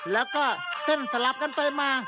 แล้วก็เต้นสลับกันไปมา